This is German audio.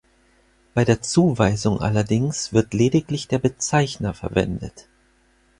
Bei der Zuweisung allerdings wird lediglich der Bezeichner verwendet.